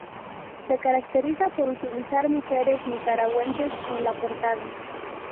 Se caracteriza por utilizar mujeres nicaragüenses en la portada.